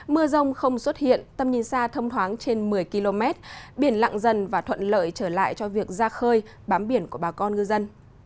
mưa rông không xuất hiện tâm nhìn xa thông thoáng trên một mươi km biển lặng dần và thuận lợi trở lại cho việc ra khơi bám biển của bà con ngư dân